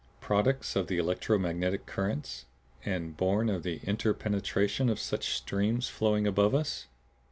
Products of electro magnetic currents and born of the interpenetration of such streams flowing above us?